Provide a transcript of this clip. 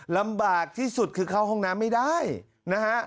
ลำบากที่สุดคือเข้าห้องน้ำไม่ได้นะฮะ